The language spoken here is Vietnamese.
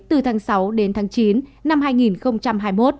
từ tháng sáu đến tháng chín năm hai nghìn hai mươi một